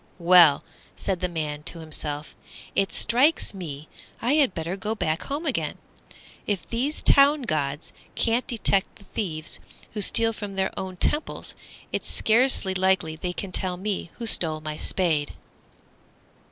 "Well," said the Man to himself, "it strikes me I had better go back home again. If these town gods can't detect the thieves who steal from their own temples, it's scarcely likely they can tell me who stole my Spade."